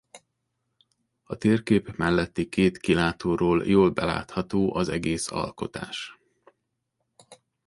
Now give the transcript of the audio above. A térkép melletti két kilátóról jól belátható az egész alkotás.